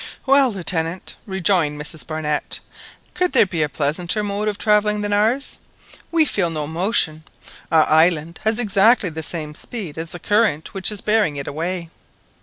"Well, Lieutenant," rejoined Mrs Barnett, "could there be a pleasanter mode of travelling than ours? We feel no motion. Our island has exactly the same speed as the current which is bearing it away.